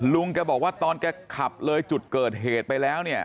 ลุงแกบอกว่าตอนแกขับเลยจุดเกิดเหตุไปแล้วเนี่ย